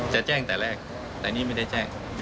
จะแจ้งแต่แรกแต่นี่ไม่ได้แจ้ง